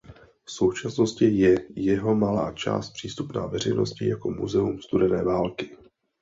V současnosti je jeho malá část přístupná veřejnosti jako muzeum studené války.